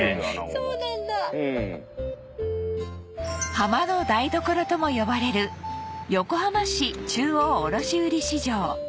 「ハマの台所」とも呼ばれる横浜市中央卸売市場